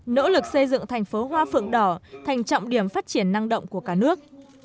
nỗ lực xây dựng thành phố hoa phượng đỏ thành trọng điểm phát triển năng động của cả nước